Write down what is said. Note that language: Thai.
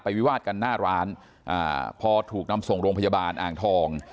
วิวาดกันหน้าร้านอ่าพอถูกนำส่งโรงพยาบาลอ่างทอง